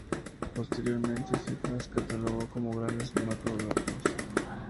Posteriormente se las catalogó como grandes macrófagos.